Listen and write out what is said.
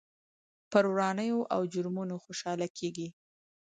پر ورانيو او جرمونو خوشحاله کېږي.